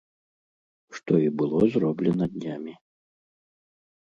Што і было зроблена днямі.